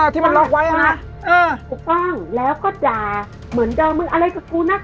ที่มันล็อกไว้นะฮะถูกต้องแล้วก็ด่าเหมือนเจอมึงอะไรกับกูนัก